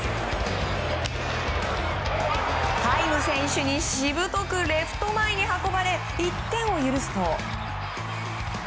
ハイム選手にしぶとくレフト前に運ばれ１点を許すと。